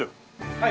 はい。